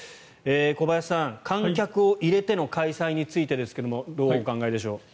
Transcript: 小林さん、観客を入れての開催についてですがどうお考えでしょう。